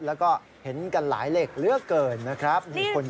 แล้วก็เห็นกันหลายเหล็กเหลือเกินนะครับ